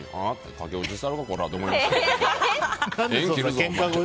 駆け落ちしてやろうと思いました。